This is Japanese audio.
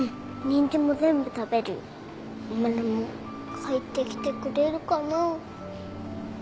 マルモ帰ってきてくれるかな。